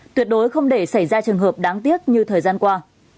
tuyệt đối không để xảy ra trường hợp đáng tiếc như thời gian qua